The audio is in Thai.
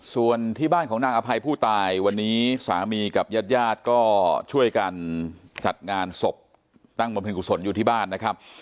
ส่วนที่บ้านของนางอภัยผู้ตายวันนี้สามีกับญาติญาติก็ช่วยกันจัดงานศพตั้งบำเพ็ญกุศลอยู่ที่บ้านนะครับ